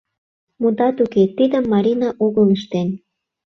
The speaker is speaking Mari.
Мутат уке, тидым Марина огыл ыштен.